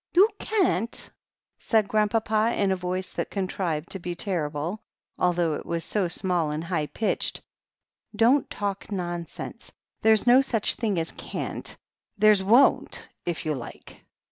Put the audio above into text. You can't f'^ said Grandpapa in a voice that con trived to be terrible, although it was so small and high pitched : "Don't talk nonsense f There's no such thing as can't. There's won't, if you like."